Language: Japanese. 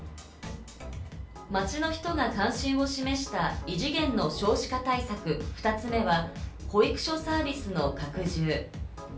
街の人が関心を示した異次元の少子化対策、２つ目は保育所サービスの拡充。